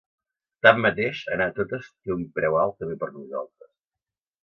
Tanmateix, anar a totes té un preu alt també per a nosaltres.